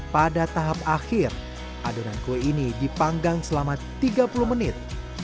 pada tahap akhir adonan kue ini dipanggang selama tiga puluh menit